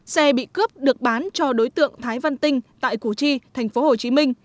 xe bị cướp được bán cho đối tượng thái văn tinh tại củ chi tp hcm